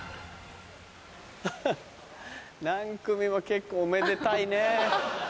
アハっ何組も結構おめでたいね。